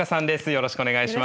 よろしくお願いします。